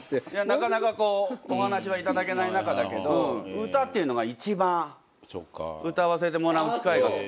なかなかお話は頂けない中だけど歌っていうのが一番歌わせてもらう機会が少なくて。